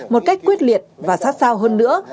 một cách quyết liệt và sát sao hơn nữa